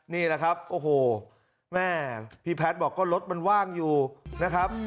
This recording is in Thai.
นี่แหละครับพี่แพทย์บอกว่ารถมันว่างอยู่นะครับ